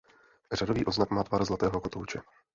Řádový odznak má tvar zlatého kotouče.